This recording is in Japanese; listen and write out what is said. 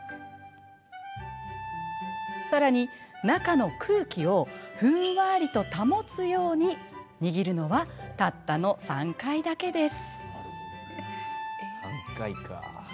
さらに、中の空気をふんわりと保つように握るのはたったの３回だけです。